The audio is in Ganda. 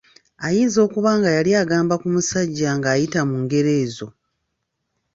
Ayinza okuba nga yali agamba ku musajja ng’ayita mu ngero ezo.